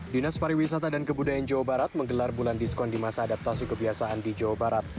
dinas pariwisata dan kebudayaan jawa barat menggelar bulan diskon di masa adaptasi kebiasaan di jawa barat